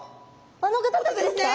あの方たちですか。